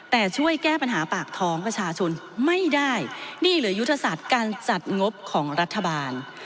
แต่ช่วยแก้ปัญหาปากท้องประชาชนไม่ได้นี่เหลือยุทธศาสตร์การจัดงบของรัฐบาล